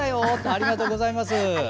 ありがとうございます。